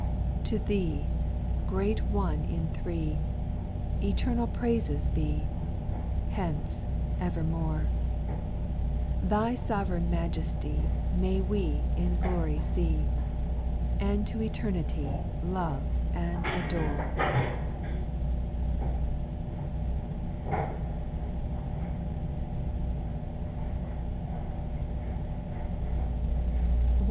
6. To Thee, great One in Three, Eternal praises be, Hence, evermore ; Thy sovereign majesty May we in glory see. And to eternity Love and adore.